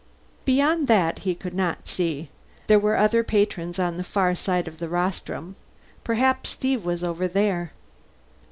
Beyond that he could not see. There were other patrons on the far side of the rostrum; perhaps Steve was over there.